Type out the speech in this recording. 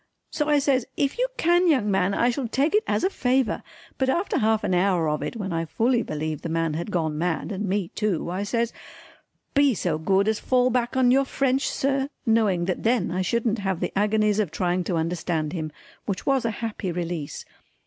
So I says "If you can young man I shall take it as a favour," but after half an hour of it when I fully believed the man had gone mad and me too I says "Be so good as fall back on your French sir," knowing that then I shouldn't have the agonies of trying to understand him, which was a happy release.